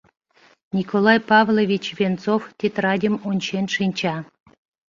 Николай Павлович Венцов тетрадьым ончен шинча.